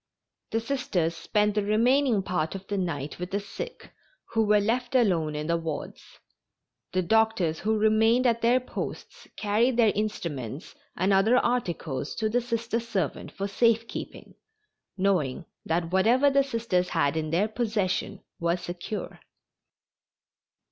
The Sisters spent the remaining part of the night with the sick who were left alone in the wards. The doctors who remained at their posts carried their instruments and other articles to the Sister servant for safe keeping, knowing that whatever the Sisters had in their possession was secure.